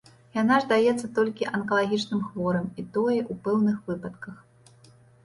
Яна ж даецца толькі анкалагічным хворым, і тое, у пэўных выпадках.